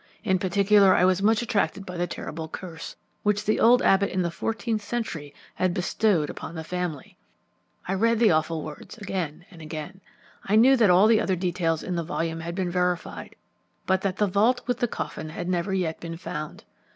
In particular, I was much attracted by the terrible curse which the old abbot in the fourteenth century had bestowed upon the family. I read the awful words again and again. I knew that all the other details in the volume had been verified, but that the vault with the coffin had never yet been found.